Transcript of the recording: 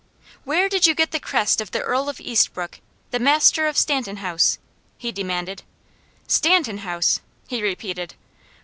"Where did you get the crest of the Earl of Eastbrooke, the master of Stanton house?" he demanded. "Stanton house!" he repeated.